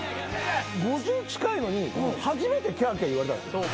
５０近いのに初めてキャーキャー言われた。